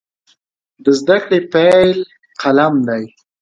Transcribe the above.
د زده کړې پیل قلم دی.